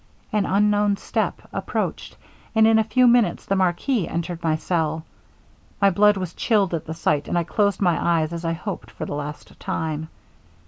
An unknown step approached, and in a few minutes the marquis entered my cell! My blood was chilled at the sight, and I closed my eyes as I hoped for the last time.